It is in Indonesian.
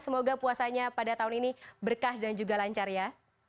semoga puasanya pada tahun ini berkah dan juga lancar ya